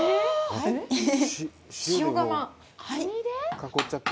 えっ？